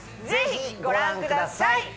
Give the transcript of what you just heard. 是非ご覧ください